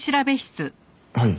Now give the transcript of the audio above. はい。